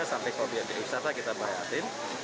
sampai ke obyek obyek wisata kita bayarin